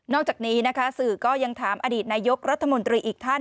อกจากนี้นะคะสื่อก็ยังถามอดีตนายกรัฐมนตรีอีกท่าน